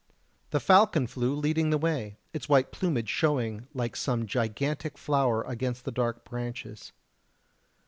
The falcon flew leading the way, its white plumage showing like some gigantic flower against the dark branches.